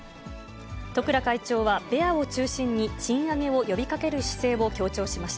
十倉会長はベアを中心に賃上げを呼びかける姿勢を強調しました。